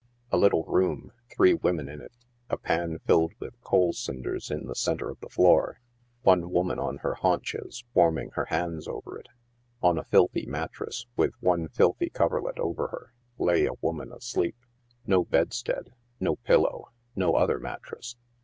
A little room ; three women in it ; a pan filled with coal cinders in the centre of the floor ; one woman on her. haunches, warming her hands over it. On a filthy mattrass, with one filthy coverlet over, her, lay a woman asleep. No bedstead ; no pillow, no other mat tress.